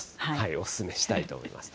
お勧めしたいと思います。